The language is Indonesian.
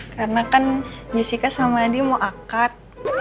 karena kan jessica sama andi mau akad